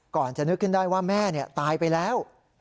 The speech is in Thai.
จะนึกขึ้นได้ว่าแม่ตายไปแล้ว